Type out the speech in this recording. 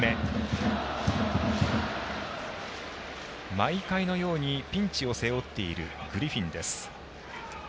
毎回のようにピンチを背負っているグリフィンです。